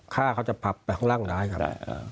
ข้าเขาจะผลับไปข้างหลังได้ครับ